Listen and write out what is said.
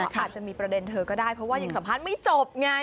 อาจจะมีประเด็นเธอก็ได้เพราะว่ายังสัมภาษณ์ไม่จบไง